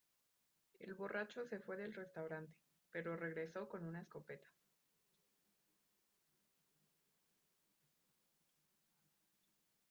El borracho se fue del restaurante, pero regresó con una escopeta.